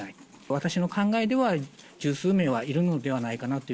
私の考えでは、十数名はいるのではないかなという。